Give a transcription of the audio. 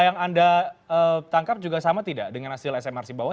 yang anda tangkap juga sama tidak dengan hasil smrc bawah